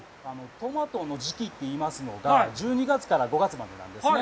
トマトの時期といいますのが、１２月から５月までなんですね。